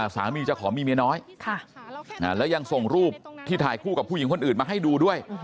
สามีจะขอมีเมียน้อยแล้วยังส่งรูปที่ถ่ายคู่กับผู้หญิงคนอื่นมาให้ดูด้วย